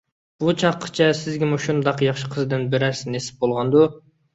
بۇ چاغقىچە سىزگىمۇ شۇنداق ياخشى قىزدىن بىرەرسى نېسىپ بولغاندۇ؟